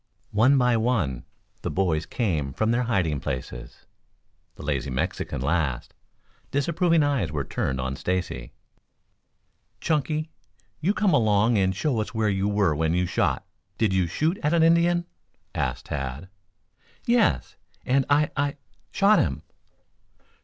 One by one the boys came from their hiding places, the lazy Mexican last. Disapproving eyes were turned on Stacy. "Chunky, you come along and show us where you were when you shot did you shoot at an Indian?" asked Tad. "Yes, and I I I shot him."